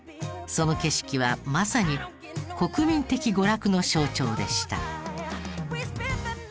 その景色はまさに国民的娯楽の象徴でした。